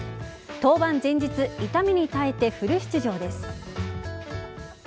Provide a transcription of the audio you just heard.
登板前日痛みに耐えてフル出場です。